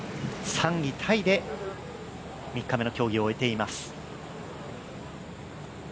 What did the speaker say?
３位タイで３日目の競技を終えています。